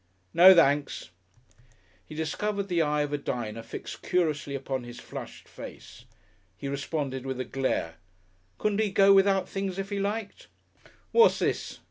"No, thenks."... He discovered the eye of a diner fixed curiously upon his flushed face. He responded with a glare. Couldn't he go without things if he liked? "What's this?"